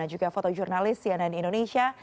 dan juga fotojurnalis cnn indonesia